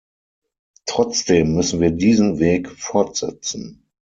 Trotzdem müssen wir diesen Weg fortsetzen.